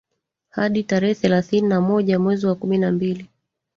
hadi tarehe thelathini na moja mwezi wa kumi na mbili